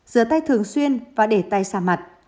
giờ tay thường xuyên và để tay xa mặt